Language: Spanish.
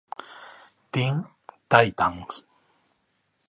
Teen Titans.